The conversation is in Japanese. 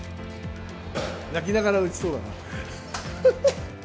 泣きながら打ちそうだ。